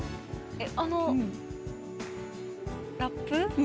あのラップ。